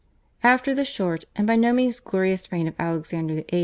After the short and by no means glorious reign of Alexander VIII.